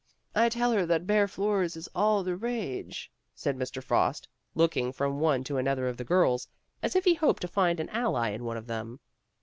"I tell her that bare floors is all the rage," said Mr. Frost, looking from one to another of the girls, as if he hoped to find an ally in one of them.